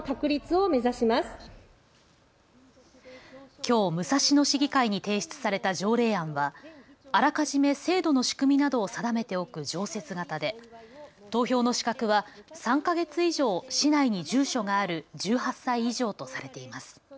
きょう武蔵野市議会に提出された条例案はあらかじめ制度の仕組みなどを定めておく常設型で投票の資格は３か月以上、市内に住所がある１８歳以上とされています。